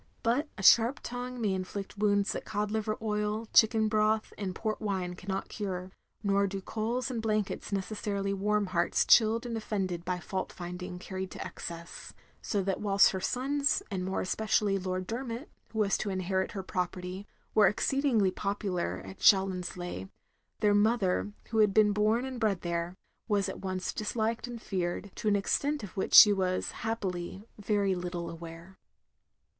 But a sharp tongue may inflict wounds that cod liver oil, chicken broth, and port wine cannot cure; nor do coals and blankets necessarily warm OP GROSVENOR SQUARE 271 hearts chilled and offended by fault finding carried to excess; so that whilst her sons, and more especially Lord Dermot, who was to inherit her property, were exceedingly popular at Chal lonsleigh, — ^their mother, who had been bom and bred there, was at once disliked and feared, to an extent of which she was, happily, very little aware.